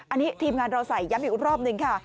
อันนี้ทีมงานเราใส่ย้ำอีกรอบหนึ่งค่ะ